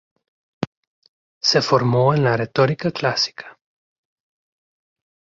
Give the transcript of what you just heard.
Se formó en la retórica clásica.